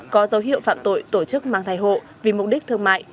có dấu hiệu phạm tội tổ chức mang thai hộ vì mục đích thương mại